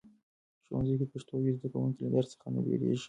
ښوونځي کې پښتو وي، زده کوونکي له درس څخه نه بیریږي.